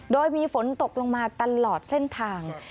โดยมีฝนตกลงมาตลอดเส้นทาง